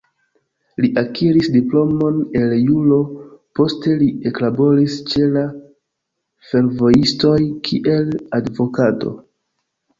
Li akiris diplomon el juro, poste li eklaboris ĉe la fervojistoj kiel advokato.